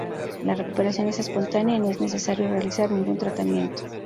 La recuperación es espontánea y no es necesario realizar ningún tratamiento.